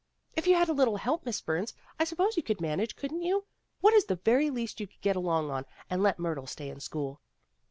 "If you had a little help, Miss Burns, I sup pose you could manage, couldn't you? What is the very least you could get along on and let Myrtle stay in school?"